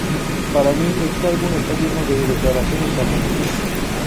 Para mí, este álbum está lleno de declaraciones de amor".